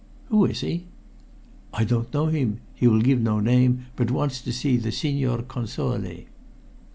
"Who is he?" "I don't know him. He will give no name, but wants to see the Signor Console."